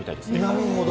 なるほど。